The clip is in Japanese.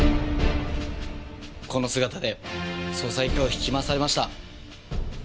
この姿で捜査一課を引き回されました。